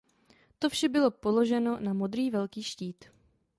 To vše bylo položeno na modrý velký štít.